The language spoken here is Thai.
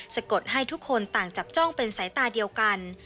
กดให้ทุกคนต่างจับจ้องเป็นสายตาเดียวกัน